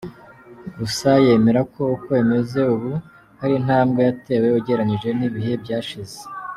Gusa yemera ko uko bimeze ubu hari intambwe yatewe ugereranyije n’ibihe byashize.